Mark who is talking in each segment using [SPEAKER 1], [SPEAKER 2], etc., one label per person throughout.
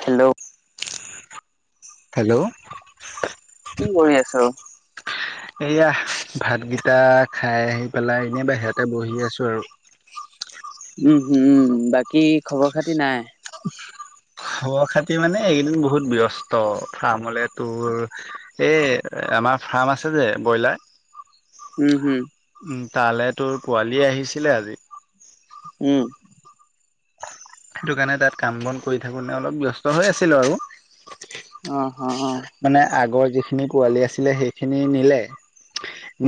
[SPEAKER 1] Hello!
[SPEAKER 2] Hello [inaudible]
[SPEAKER 1] কি কৰি আছাৰো?
[SPEAKER 2] এয়া ভাতকেইটা খাই আহি পেলাই এনেই বাহিৰতে বহি আছো আৰু।
[SPEAKER 1] [inaudible] উম হম উম বাকী খবৰ খাতি নাই?
[SPEAKER 2] খবৰ খাতি মানে এইকেইদিন বহুত ব্যস্ত ফাৰ্মলে তোৰ এ আমাৰ ফাৰ্ম আছে যে ব্ৰইলাৰ
[SPEAKER 1] উম হম।
[SPEAKER 2] উম তালে তোৰ পোৱালি আহিছিলে আজি।
[SPEAKER 1] উম।
[SPEAKER 2] সেইটো কাৰণে তাত কাম বন কৰি থাকো ন অলপ ব্যস্ত হৈ আছিলো আৰু।
[SPEAKER 1] অ হ
[SPEAKER 2] মানে আগৰ যিখিনি পোৱালি আছিলে সেইখিনি নিলে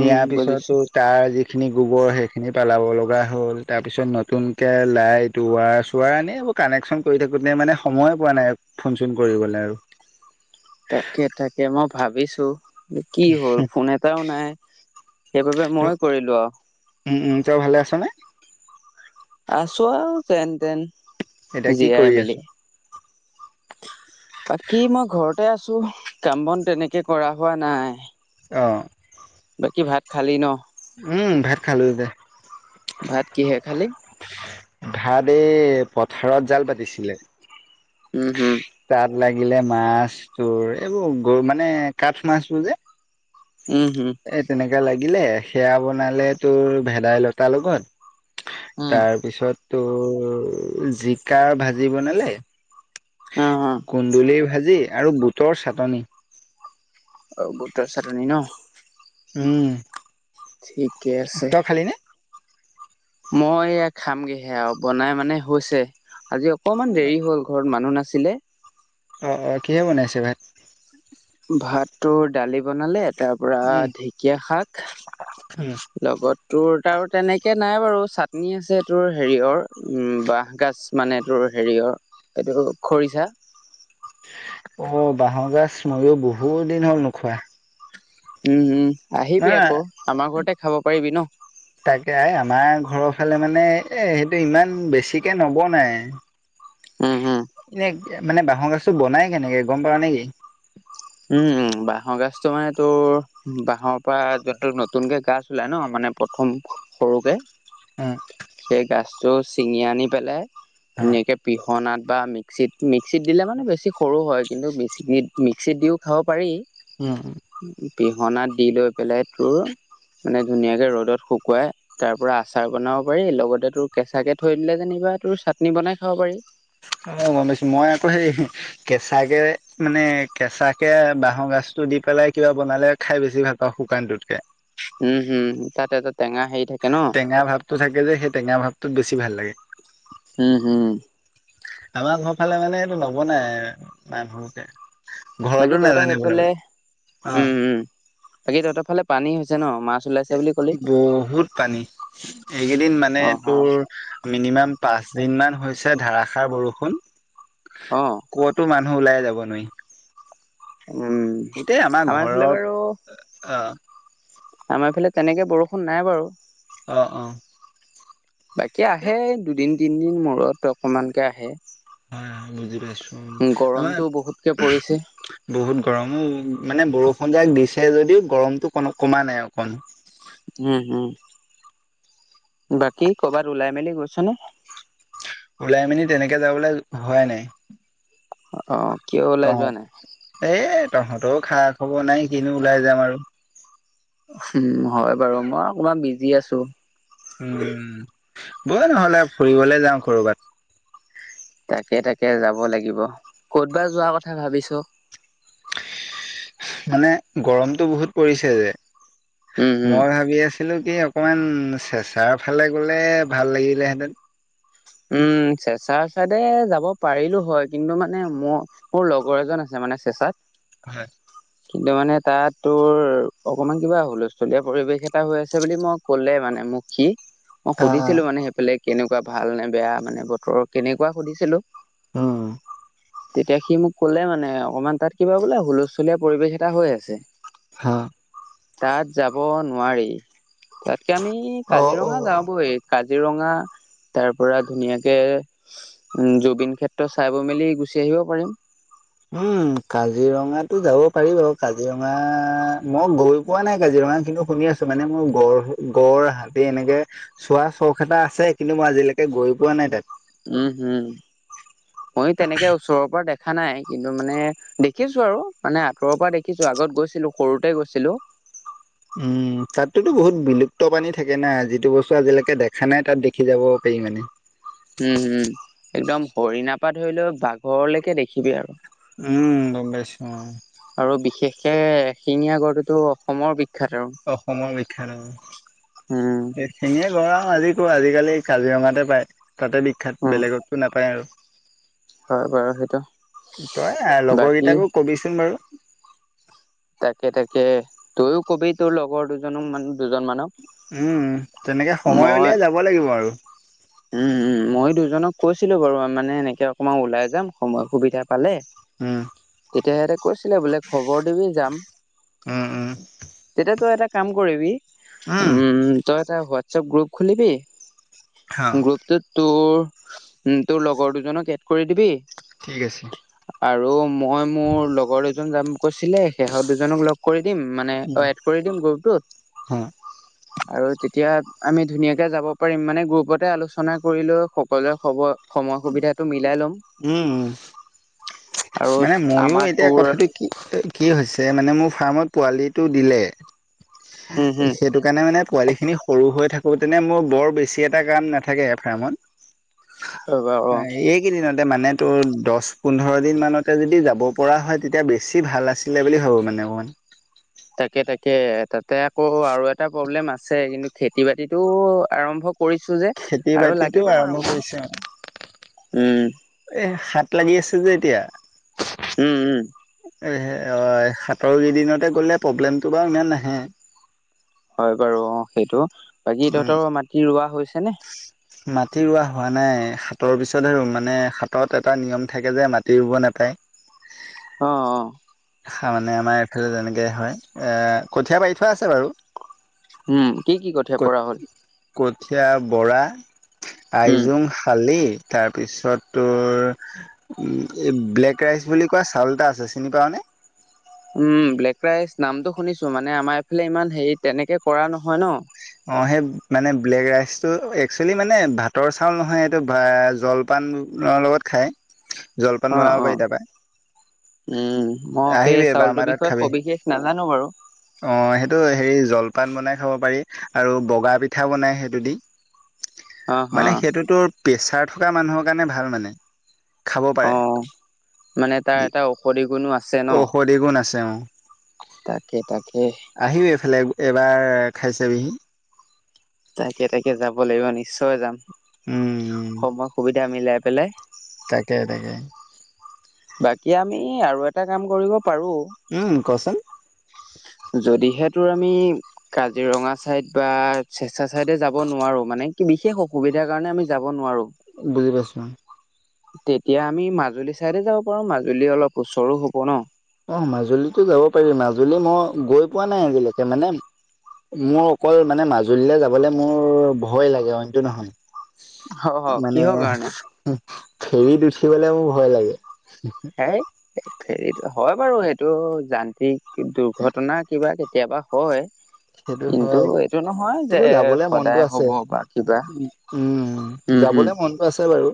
[SPEAKER 1] উম বুজিছো
[SPEAKER 2] পিছতো তাৰ যি যিখিনি গোবৰ সেইখিনি পেলাব লগা হ'ল তাৰপিছত নতুনকৈ লাইট উৱা চোৱা এনে এইবো উ কানেকচন কৰি থাকোতে মানে সময়ে পোৱা নাই ফোন চোন কৰিবলে আৰু।
[SPEAKER 1] তাকে তাকে মই ভাবিছো। কি হ'ল ফোন এটাও নাই সেইবাবে মই কৰিলো আও।
[SPEAKER 2] উম উম তই ভালে আছনে?
[SPEAKER 1] আছো আও যেন তেন।
[SPEAKER 2] এতিয়া কি
[SPEAKER 1] জীয়াই
[SPEAKER 2] কৰি
[SPEAKER 1] মেলি
[SPEAKER 2] আছ?
[SPEAKER 1] বাকী মই ঘৰতে আছো, কাম বন তেনেকে কৰা হোৱা নাই।
[SPEAKER 2] অ।
[SPEAKER 1] বাকী ভাত খালি ন।
[SPEAKER 2] উম ভাত খালো যে
[SPEAKER 1] ভাত কিহে খালি
[SPEAKER 2] ভাত এই পথাৰত জাল পাতিছিলে
[SPEAKER 1] উম হোম
[SPEAKER 2] তাত লাগিলে মাছ তোৰ এইবোৰ গৰু মানে কাঠ মাছবোৰ যে
[SPEAKER 1] উম হুম
[SPEAKER 2] এ তেনেকা লাগিলে, সেয়া বনালে তোৰ ভেদাইলতাৰ লগত
[SPEAKER 1] উম
[SPEAKER 2] তাৰপিছত তোৰ জিকাৰ ভাজি বনালে
[SPEAKER 1] অ অ
[SPEAKER 2] কুন্দুলিৰ ভাজি আৰু বুটৰ চাটনি।
[SPEAKER 1] অ', বুটৰ চাটনি ন?
[SPEAKER 2] উম।
[SPEAKER 1] ঠিকে আছে।
[SPEAKER 2] তই খালি নে
[SPEAKER 1] মই এ খামগেহে আৰু বনাই মানে হৈছে। আজি অকনমান দেৰি হ'ল ঘৰত মানুহ নাছিলে।
[SPEAKER 2] অ' অ' কিহে বনাইছে ভাত?
[SPEAKER 1] ভাতটো দালি বনালে তাৰপৰা
[SPEAKER 2] উম
[SPEAKER 1] ঢেঁকীয়া শাক,
[SPEAKER 2] উম
[SPEAKER 1] লগত তোৰ, তাৰ তেনেকে নাই বাৰু চাটনি আছে তোৰ হেৰিৰ, উম বাঁহগাজ মানে তোৰ হেৰিয়েত, এইটো খৰিচা।
[SPEAKER 2] অ' বাঁহৰ গাজ মোয়ও বহুত দিন হ'ল নোখোৱা।
[SPEAKER 1] উম উম, আহিবি
[SPEAKER 2] না
[SPEAKER 1] আকৌ, আমাৰ ঘৰতে খাব পাৰিবি ন।
[SPEAKER 2] তাকে এ আমাৰ ঘৰৰ ফালে মানে এ সেইটো ইমান বেছিকে নবনাই।
[SPEAKER 1] উম হম
[SPEAKER 2] এনে মানে বাঁহৰগাজটো বনাই কেনেকে গম পাৱা নেকি?
[SPEAKER 1] উম উম, বাঁহৰগাজতো মানে তোৰ, বাঁহৰ পৰা যোনতো নতুনকে গাজ ওলাই ন মানে মানে প্ৰথম, সৰুকে।
[SPEAKER 2] উম।
[SPEAKER 1] সেই গাজটো ছিঙি আনি পেলাই,
[SPEAKER 2] হা
[SPEAKER 1] ধুনীয়াকে পিহ অনাত বা মিক্সিত, মিক্সিত দিলে মানে বেছি সৰু হয়, কিন্তু মিকিনিত্স মিক্সিতদিও খাব পাৰি।
[SPEAKER 2] উম।
[SPEAKER 1] পিহনাত দি লৈ, পেলাই তোৰ মানে ধুনীয়াকে ৰ'দত শুকুৱাই, তাৰ পৰা আচাৰ বনাব পাৰি লগতে তোৰ কেঁচা কে থৈ দিলে যেনিবা কিবা তোৰ চাটনি বনাই খাব পাৰি।
[SPEAKER 2] অ' গম পাইছো, মই আকৌ হেই কেঁচাকে, মানে কেঁচাকে, বাঁহগাজতো টো দি পেলাই কিবা বনালে খাই বেছি ভাল পাওঁ, শুকানটোতকে।
[SPEAKER 1] উম হম, তাতে তাতে।
[SPEAKER 2] টেঙা ভাৱটো থাকে যে, সেই টেঙা ভাৱটোত বেছি ভাল লাগে।
[SPEAKER 1] হম, হম।
[SPEAKER 2] আমাৰ ঘৰফালে মানে এইটো নবনাই, মানুহকে
[SPEAKER 1] বাকী তহঁতৰ হৈইফালে,
[SPEAKER 2] অ
[SPEAKER 1] উম, উম, বাকী তহঁতৰফালে পানী হৈছে ন? মা
[SPEAKER 2] বহুত পানী। এইকেইদিন মানে
[SPEAKER 1] অ অ
[SPEAKER 2] তোৰ মিনিমাম পাচ দিনমান হৈছে ধাৰাসাৰ বৰষুণ,
[SPEAKER 1] অ
[SPEAKER 2] ক'তো মানু ওলাই যাব নোৱাৰি।
[SPEAKER 1] উম
[SPEAKER 2] গোটেই আমাৰ ঘৰত অ'-আহ
[SPEAKER 1] আমাৰফালে তেনেকে বৰষুণ নাই বাৰু।
[SPEAKER 2] অ', অ'।
[SPEAKER 1] বাকী আহে, দুদিন-তিনদিন মূৰত অকমানকে আহে।
[SPEAKER 2] হয়, হয়, বুজি পাইছো। আমাৰ
[SPEAKER 1] গৰমতটো বহুতকে পৰিছে।
[SPEAKER 2] বহুত গৰম ঔ মানে বৰষুণ যাক দিছে যদিও, গৰমতটো ক-কমা নাই অকণ।
[SPEAKER 1] উম, উম, বাকী কৰ'বাত ওলাই-মেলি গৈ ছানে?
[SPEAKER 2] ওলাই-মেলি তেনেকে যাবলৈ হোৱাই নাই।
[SPEAKER 1] অ', কিয় ওলাই যোৱা নাই?
[SPEAKER 2] তহঁতও খা-খবৰ নাই, কিনো ওলাই যাম আৰু।
[SPEAKER 1] উম, হয় বাৰু। মই অকমান বিজি আছো।
[SPEAKER 2] উম, বল নহ'লে ফুৰিবলে যাওঁ কৰ'বাত।
[SPEAKER 1] তাকে তাকে যাব লাগিব ক'ত বা যোৱা কথা ভাবিছ
[SPEAKER 2] মানে গৰমতটো বহুত পৰিছে যে
[SPEAKER 1] উম উম
[SPEAKER 2] মই ভাবি আছো আছিলো কি অকমান চেঁচাৰ ফালে গ'লে ভাল লাগিলে হেঁতেন
[SPEAKER 1] উম চেচা চাইডে যাব পাৰিলো হয় কিন্তু মানে মোৰ মোৰ লগৰ এজন আছে ম মানে চেচাত
[SPEAKER 2] হয়
[SPEAKER 1] কিন্তু মানে তাত তোৰ অকমান কিবা হুলস্থুলীয়া পৰিবেশ এটা হৈ আছে বুলি মই ক'লে মানে মুখী মই
[SPEAKER 2] অ
[SPEAKER 1] সুধিছিলো মানে সেইফালে কেনেকুৱা ভাল নে বেয়া মানে বতৰৰ কেনেকুৱা সুধিছিলো
[SPEAKER 2] হম
[SPEAKER 1] তেতিয়া সি মোক কলে মানে অকমান তাত কিবা বোলে হুলস্থুলীয়া পৰিৱেশ এটা হৈ আছে
[SPEAKER 2] হা
[SPEAKER 1] তাত যাব নোৱাৰি তাকে আমি
[SPEAKER 2] অ অ
[SPEAKER 1] কাজিৰঙা যাও বই কাজিৰঙা তাৰ পৰা ধুনীয়াকে উম জুবিন ক্ষেত্ৰ চাই বৈ মেলি গুচি আহিব পাৰিম
[SPEAKER 2] উম কাজিৰঙা যাব পাৰি বাৰ কাজিৰঙা মই গৈ পোৱা নাই কাজিৰঙ কিমান খিনি শুনি আছো মানে মোৰ গড় গড় হাতী এনেকে চোৱা চখ এটা আছে কিন্তু মই আজি একে গৈ পোৱা নাই তাত
[SPEAKER 1] উম হম ময় তেনেকে ওচৰৰ পৰা দেখা দেখা নাই কিন্তু মানে দেখিছো আৰু মানে আঁতৰৰ পৰা দেখিছো আগত গৈছিলো সৰুতে গৈছিলো [unintelligible]
[SPEAKER 2] উম তাতোতো বহুত বিলুপ্ত পানী থাকে না যিটো বস্তু আজিলৈকে দেখা নাই তাত দেখি যাব মানে
[SPEAKER 1] উম হম একদম হৰিণাৰ পৰা ধৰি লওক বাঘৰলৈকে দেখিবি আৰু
[SPEAKER 2] উম গম পাইছো
[SPEAKER 1] বিশ শিঙীয়া গড়টোতো অসমৰ বিশ
[SPEAKER 2] অসমৰ [unintelligible]
[SPEAKER 1] উম
[SPEAKER 2] আজিকালি কাজিৰঙাতে পায় তাতে বিখ্যাত
[SPEAKER 1] উম
[SPEAKER 2] বেলেগতো নাপায় আৰু
[SPEAKER 1] হয় বাৰু সেইটো
[SPEAKER 2] তই লগৰ
[SPEAKER 1] বাকী
[SPEAKER 2] কেইটাকো কবিচোন বাৰু
[SPEAKER 1] তাকে তাকে তইয়ও কবি তোৰ লগৰ দুজনো মানহ
[SPEAKER 2] উম উম তেনেকে সময়
[SPEAKER 1] মই
[SPEAKER 2] উলিয়াই যাব লাগিব আৰু
[SPEAKER 1] উম উম মইো দুজনক কৈছিলো বাৰু মানে এনেকে অকণমান ওলাই যাম সময় সুবিধা পালে
[SPEAKER 2] হম
[SPEAKER 1] তেতিয়া সিহঁতে কৈছিলে বোলে খবৰ দিবি যাম
[SPEAKER 2] উম উম
[SPEAKER 1] তেতিয়া তই এটা কাম কৰিবি উম তই এটা হোৱাটছপ গ্ৰুপ খুলিবি
[SPEAKER 2] হা
[SPEAKER 1] গ্ৰুপটোত তোৰ তোৰ লগৰ দুজনক এড কৰি দিবি
[SPEAKER 2] ঠিক আছে
[SPEAKER 1] আৰু মই মোৰ লগৰ দুজন যাম কৈছিলে শেহত দুজনক লগ কৰি দিম মানে অ
[SPEAKER 2] উম
[SPEAKER 1] এড কৰি দিম
[SPEAKER 2] হা
[SPEAKER 1] গ্ৰুপটোত আৰু তেতিয়া আমি ধুনীয়াকৈ যাব পাৰিম মানে গ্ৰুপতে আলোচনা কৰিলেও সকলোৱে খ'বৰ সময় সুবিধাটো মিলাই ল'ম
[SPEAKER 2] উম উম
[SPEAKER 1] আৰু
[SPEAKER 2] মানে ময়ো
[SPEAKER 1] আমাৰ
[SPEAKER 2] এতিয়া
[SPEAKER 1] তোৰ
[SPEAKER 2] কথাটো কি কি হৈছে মানে
[SPEAKER 1] হম হম
[SPEAKER 2] [unintelligible] ' তেনে মোৰ বৰ বেছি এটা কাম নাথাকে ফাৰ্মত
[SPEAKER 1] অ
[SPEAKER 2] এইকেইদিনত মানে তো দহ পোন্ধৰ দিন মানতে যদি যাব পৰা হয় তেতিয়া বেছি ভাল আছিলে বুলি ভাবোঁ মানে মানে অকমান
[SPEAKER 1] তাকে তাকে তাতে আকৌ আৰু এটা প্ৰব্লেম আছে কিন্তু খেতি বাতিটো আৰম্ভ কৰিছো যে
[SPEAKER 2] খেতি
[SPEAKER 1] আৰু
[SPEAKER 2] বাতিতটো
[SPEAKER 1] লাগিব বাৰু
[SPEAKER 2] আৰম্ভ
[SPEAKER 1] মোৰ
[SPEAKER 2] কৰিছে
[SPEAKER 1] উম
[SPEAKER 2] আৰু এই সাত লাগি আছে যে এতিয়া
[SPEAKER 1] উম উম।
[SPEAKER 2] সাতৰ কেইদিনতে গ'লে প্ৰব্লেমটো বাৰু ইমান নাহে।
[SPEAKER 1] হয় বাৰু অ সেইটো বাকী
[SPEAKER 2] উম
[SPEAKER 1] তহঁতৰ মাটি ৰোৱা হৈছে নে?
[SPEAKER 2] মাটি ৰুোৱা হোৱা নাই হাথৰ পিছত আৰুে মানে হাতত এটা নিয়ম থাকে যে মাটি ৰুব নোপায়।
[SPEAKER 1] অ, অ।
[SPEAKER 2] মানে আমাৰ এইফালে তেনেকৈ হয় কঠীয়া পাৰি থোৱা আছে বাৰু।
[SPEAKER 1] উম কি কি কঠীয়া পৰা হ'ল।
[SPEAKER 2] কঠীয়া বৰা,
[SPEAKER 1] উম
[SPEAKER 2] আইজুং, শালি। তাৰপিছতোৰ এই ব্লেক ৰাইচ বুলি কোৱা চাউল এটা আছে চিনি পাৱ নে?
[SPEAKER 1] উম ব্লেক ৰাইচ নামটো শুনিছো মানে আমাৰ এইফালে ইমান হেৰি তেনেকে কৰা নহয় ন।
[SPEAKER 2] অ সেই মানে ব্লেক ৰাইচটো একচুৱেলি মানে ভাতৰ চাউল নহয় এইটো জলপান। ধানৰ লগত খায়।
[SPEAKER 1] উ
[SPEAKER 2] জলপান বনাব পাৰি তাৰাপা।
[SPEAKER 1] উম মই সেই চাউলটোৰ
[SPEAKER 2] তাত
[SPEAKER 1] বিষয়ে
[SPEAKER 2] খাবি
[SPEAKER 1] সবিশেষ নাজানো বাৰু।
[SPEAKER 2] অ সেইটো হেৰি জলপান বনাই খাব পাৰি আৰু বগা পিঠাও বনাই সেইটো দি।
[SPEAKER 1] অ হা
[SPEAKER 2] মানে সেইটোতো প্ৰেচাৰ থকা মানুহৰ কাৰণে ভাল মানে। খাব
[SPEAKER 1] অ
[SPEAKER 2] পাৰে
[SPEAKER 1] মানে তাৰ এটা ঔষধি গুণো আছে। ন
[SPEAKER 2] ঔষধি গুণ আছে অ।
[SPEAKER 1] তাকে তাকে।
[SPEAKER 2] এইবাৰ খাই চাবিহি।
[SPEAKER 1] তাকে তাকে যাব লাগিব নিশ্চয় যাম
[SPEAKER 2] উম
[SPEAKER 1] সময় সুবিধা মিলাই পেলাই।
[SPEAKER 2] তাকে তাকে
[SPEAKER 1] বাকী আমি আৰু এটা কাম কৰিব। পাৰো
[SPEAKER 2] উম কচোন।
[SPEAKER 1] যদিহেতোৰ আমি কাজিৰঙা চাইদ বা [unintelligible] চাইডে যাব নোৱাৰো মানে কি বিশেষ অসুবিধাৰ কাৰণে আমি যাব নোৱাৰো
[SPEAKER 2] বুজি পাইছ না
[SPEAKER 1] তেতিয়া আমি মাজুলী চাইডে যাব পাৰো মাজুলী অলপ ওচৰো হ'ব ন
[SPEAKER 2] অ মাজুলীতো যাব পাৰি মাজুলী মই গৈ পোৱা নাই আজিলৈকে মানে মোৰ অকল মানে মাজুলীলৈ যাবলৈ মোৰ ভয় লাগে অইনটো নহয়।
[SPEAKER 1] অ অ
[SPEAKER 2] মানে
[SPEAKER 1] কিহৰ কাৰণে
[SPEAKER 2] ফেৰীত উঠিবলে মোৰ ভয় লাগে
[SPEAKER 1] হ হেৰিত হয় বাৰু সেইটো যান্ত্ৰিক দুৰ্ঘটনা কিবা কেতি কেতিয়াবা হয়
[SPEAKER 2] সেইটো
[SPEAKER 1] কিন্তু
[SPEAKER 2] হয়
[SPEAKER 1] এইটো নহয় যে
[SPEAKER 2] কিন্তু যাবলে মনটো
[SPEAKER 1] সদায়
[SPEAKER 2] আছে
[SPEAKER 1] হ'ব বা কিবা।
[SPEAKER 2] উম
[SPEAKER 1] উম হম
[SPEAKER 2] যাবলে মনটো আছে বাৰু।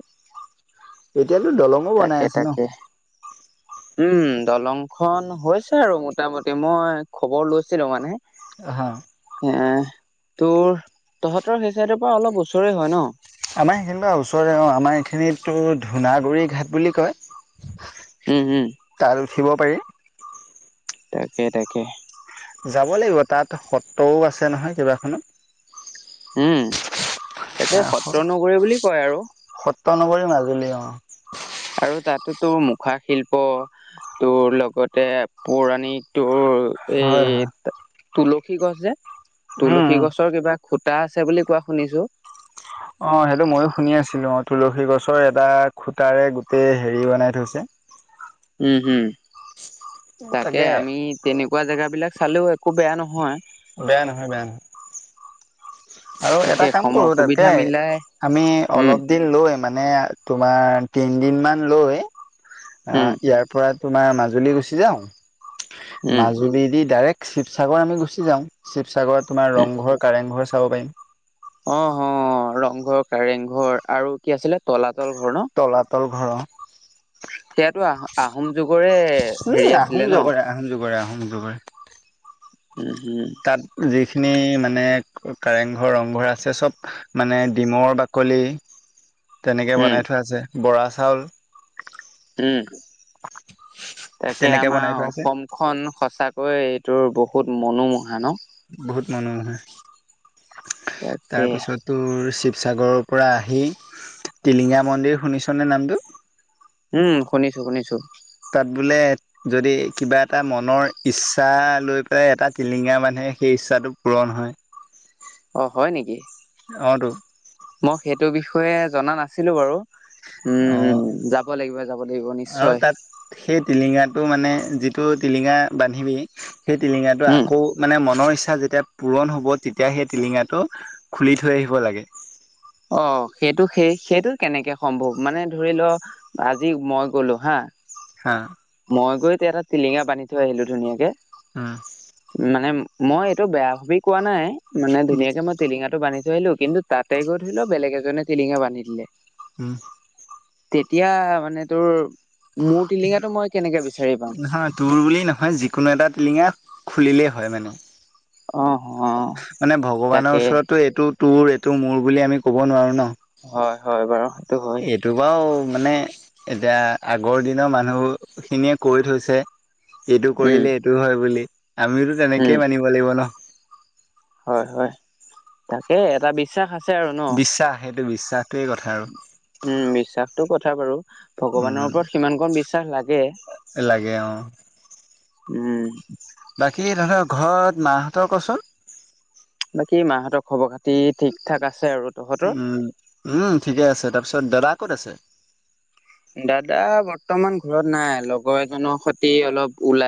[SPEAKER 2] এতিয়াতো দলঙো বনাই
[SPEAKER 1] তাকে
[SPEAKER 2] আছে ন
[SPEAKER 1] তাকে উম। দলং খন হৈছে আৰু মোটামুটি মই খবৰ লৈছিলো মানে।
[SPEAKER 2] আহ।
[SPEAKER 1] এ তোৰ তহঁতৰ সেই চাইডৰ পৰা অলপ ওচৰে হয় ন।
[SPEAKER 2] আমাৰ সেইখিনিব ওচৰে অ আমাৰ এইখিনিতো ধূনাগুৰি ঘাট বুলি কয়।
[SPEAKER 1] উম উম।
[SPEAKER 2] তাত উঠিব পাৰি।
[SPEAKER 1] তাকেই তাকে।
[SPEAKER 2] যাব লাগিব তাত সত্ৰও আছে নহয় কিবাখন।
[SPEAKER 1] উম তাকে সত্ৰ নগৰী বুলি কয় আৰু
[SPEAKER 2] মাজুলিৰ অ
[SPEAKER 1] আৰু তাতো তোৰ মুখা শিল্প তোৰ লগতে পৌৰাণিক তোৰ
[SPEAKER 2] হয় হয়
[SPEAKER 1] এই তুলসী গছ যে
[SPEAKER 2] উম
[SPEAKER 1] তুলসী
[SPEAKER 2] উম
[SPEAKER 1] গছৰ কিবা খুটা আছে বুলি কোৱা শুনিছো।
[SPEAKER 2] অ সেইটো ময়ো শুনি আছিলো অ তুলসী গছৰ এটা খুটাৰে গোটেই হেৰি বনাই থৈছে।
[SPEAKER 1] উম, উম তাকে আমি তেনেকুৱা জেগাবিলাক চালেও একো বেয়া নহয়।
[SPEAKER 2] বেয়া নহয়, বেয়া নহয়। আৰু এটা
[SPEAKER 1] তাকে
[SPEAKER 2] কাম
[SPEAKER 1] সময়
[SPEAKER 2] কৰো তাতকে
[SPEAKER 1] সুবিধা মিলাই
[SPEAKER 2] আমি
[SPEAKER 1] উম
[SPEAKER 2] অলপ দিন লৈ মানে ম তোমাৰ তিন দিন মান লৈ
[SPEAKER 1] উম
[SPEAKER 2] ইয়াৰ পৰা তোমাৰ মাজুলী গুচি যাও,
[SPEAKER 1] উম
[SPEAKER 2] মাজুলী দি ডাইৰেক্ট শিৱসাগৰ আমি গুচি যাও, শিৱসাগৰত তোমাৰ ৰংঘৰ, কাৰেংঘৰ চাব পাৰিম।
[SPEAKER 1] অহ ৰংঘৰ, কাৰেংঘৰ আৰু কি আছিলে তলাতল ঘৰ ন'।
[SPEAKER 2] তলাতল ঘৰ।
[SPEAKER 1] সেইয়াতো আহ-আহোম যুগৰে
[SPEAKER 2] উম
[SPEAKER 1] হেৰি
[SPEAKER 2] আহোম
[SPEAKER 1] আছিলে ন'।
[SPEAKER 2] জগৰে আহোম জগৰে আহোম জগৰে
[SPEAKER 1] [inaudible]
[SPEAKER 2] তাত যিখিনি খিনি মানে কাৰেংঘৰ, ৰংঘৰ আছে। চব মানে ডিমৰ বাকলি
[SPEAKER 1] [inaudible]
[SPEAKER 2] তেনেকে
[SPEAKER 1] উম
[SPEAKER 2] বনাই থোৱা আছে, বৰা চাউল।
[SPEAKER 1] উম, তাকে
[SPEAKER 2] তেনেকে বনাই
[SPEAKER 1] আমাৰ
[SPEAKER 2] থোৱা আছে
[SPEAKER 1] অসমখন সঁচাকৈ তোৰ বহুত মনোমোহা ন'।
[SPEAKER 2] বহুত মানুহ হয়,
[SPEAKER 1] তাকে
[SPEAKER 2] তাৰপিছত তোৰ শিৱসাগৰৰ পৰা আহি টিলিঙা মন্দিৰ শুনিছনে নামটো
[SPEAKER 1] উম, শুনিছো- শুনিছো।
[SPEAKER 2] তাত বোলে যদি কিবা এটা মনৰ ইচ্ছা লৈ পেলাই এটা টিলিঙা মানে সেই ইচ্ছাটো পূৰণ হয়।
[SPEAKER 1] অ' হয় নেকি।
[SPEAKER 2] অটো।
[SPEAKER 1] মই সেইটো বিষয়ে জনা নাছিলো বাৰু। উম,
[SPEAKER 2] অ
[SPEAKER 1] উ যাব লাগিব, যাব লাগিব নিশ্চয়।
[SPEAKER 2] টো মানে যিটো টিলিঙা বান্ধিবি, সেই টিলিঙাটো
[SPEAKER 1] উম
[SPEAKER 2] আকৌ মানে মনৰ যেতিয়া পূৰণ হ'ব, তেতিয়া সেই টিলিঙাটো খুলি থৈ আহিব লাগে।
[SPEAKER 1] অ' সেইটো সেই সেইটো কেনেকে সম্ভৱ মানে ধৰি লও আজি মই গলো হা
[SPEAKER 2] হা
[SPEAKER 1] মই গৈ এতিয়া এটা টিলিঙা বান্ধি থৈ আহিলো ধুনীয়াকে
[SPEAKER 2] অহ।
[SPEAKER 1] মানে মই এইটো বেয়া ভাবি কোৱা নাই মানে ধুনীয়াকে মই টিলিঙা টো বান্ধি লো কিন্তু তাতে গৈ ধৰি লও বেলেগ এজনে টিঙা বান্ধি দিলে।
[SPEAKER 2] উম'।
[SPEAKER 1] তেতিয়া মানে তোৰ মোৰ টিলিঙাতটো মই কেনেকে বিচাৰি পাম
[SPEAKER 2] নহয় তোৰ বুলি নহয়, যিকোনো এটা টিলিঙা খুলিলেই হয় মানে।
[SPEAKER 1] অ'। অ
[SPEAKER 2] মানে ভগৱানৰ
[SPEAKER 1] তাকে
[SPEAKER 2] ওচৰতটো এইটো তোৰ এইটো মোৰ বুলি আমি ক'ব নোৱাৰো ন'
[SPEAKER 1] হয়-হয় বাৰু হয়
[SPEAKER 2] এইটো বাও মানে এতিয়া আগৰ দিনৰ মানুহখিনিয়ে কৰি থৈছে। এইটো
[SPEAKER 1] উম
[SPEAKER 2] কৰিলে, এইটো হয় বুলি, আমিতো তেনেকেই মানিব লাগিব ন'।
[SPEAKER 1] হয়-হয় তাকে এটা বিশ্বাস আছে। আৰু ন
[SPEAKER 2] বিশ্বাস সেইটো বিশ্বাস।
[SPEAKER 1] উম, বিশ্বাসটো কথা বাৰু ভগৱানৰ
[SPEAKER 2] উম
[SPEAKER 1] ওপৰত সিমান কণ বিশ্বাস লাগে।
[SPEAKER 2] লাগে অ।
[SPEAKER 1] উম'।
[SPEAKER 2] বাকী তহৰ ঘৰত মাহঁতৰ কচোন।
[SPEAKER 1] কি মাহঁতৰ খবৰ! খাতি ঠিক ঠাক আছে আৰু তহঁতৰ
[SPEAKER 2] উম-উম ঠিকে আছে, তাৰপিছত দাদা ক'ত আছে।
[SPEAKER 1] দাদা বৰ্তমান ঘৰত নাই লগৰ এজনৰ সৈতে অলপ ওলাই